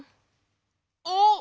あっ。